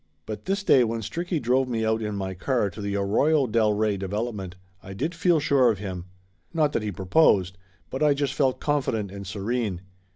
But this day when Stricky drove me out in my car to the Arroyo del Rey Development, I did feel sure of him. Not that he proposed, but I just felt confident and serene.